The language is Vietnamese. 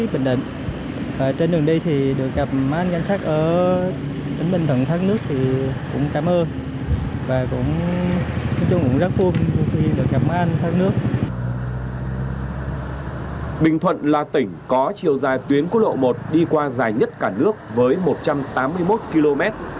bình thuận là tỉnh có chiều dài tuyến quốc lộ một đi qua dài nhất cả nước với một trăm tám mươi một km